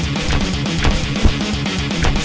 ini yang kita